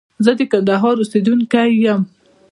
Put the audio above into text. زه د کندهار اوسيدونکي يم.